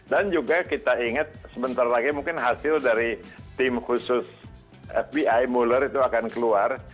dan juga kita ingat sebentar lagi mungkin hasil dari tim khusus fbi mueller itu akan keluar